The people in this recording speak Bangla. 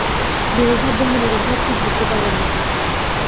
বিনুর ভাবভঙ্গি নিজাম সাহেব ঠিক বুঝতে পারলেন না।